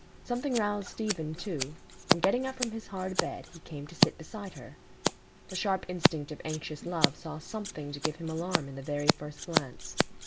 Something roused Stephen too, and getting up from his hard bed, he came to sit beside her. The sharp instinct of anxious love saw something to give him alarm in the very first glance.